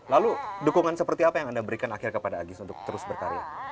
lalu dukungan seperti apa yang anda berikan akhir kepada agis untuk terus berkarya